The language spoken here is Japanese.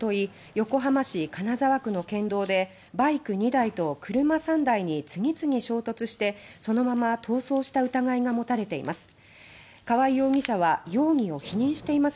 横浜市金沢区の県道でバイク２台と車３台に次々衝突してそのまま逃走した疑いが持たれています。